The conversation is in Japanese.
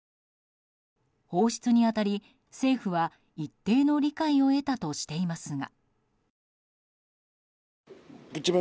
放出に当たり政府は一定の理解を得たとしていますが。